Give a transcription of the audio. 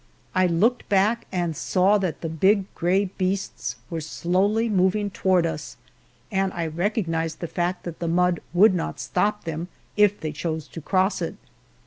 I looked back and saw that the big gray beasts were slowly moving toward us, and I recognized the fact that the mud would not stop them, if they chose to cross it.